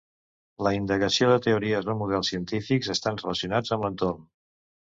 La indagació de teories o models científics estan relacionats amb l’entorn.